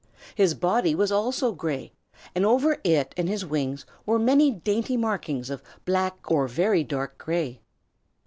His body was also gray, and over it and his wings were many dainty markings of black or very dark gray.